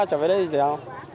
trở về đây thì dẻo